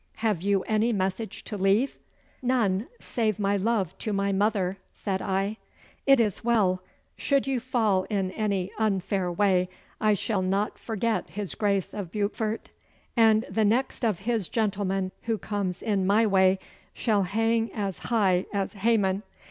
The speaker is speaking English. Have you any message to leave?' 'None, save my love to my mother,' said I. 'It is well. Should you fall in any unfair way, I shall not forget his Grace of Beaufort, and the next of his gentlemen who comes in my way shall hang as high as Haman.